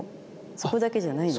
そこだけじゃないの。